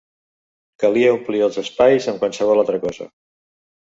Calia omplir els espais amb qualsevol altra cosa